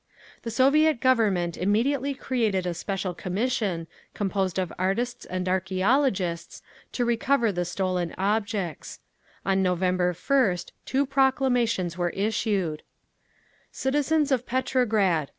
The Soviet Government immediately created a special commission, composed of artists and archæologists, to recover the stolen objects. On November 1st two proclamations were issued: "CITIZENS OF PETROGRAD!